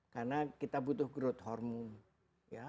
karena kita butuh growth hormone